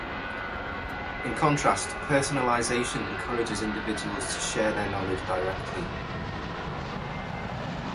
In contrast, personalization encourages individuals to share their knowledge directly.